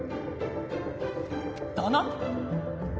だな！